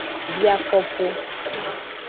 Biakopo.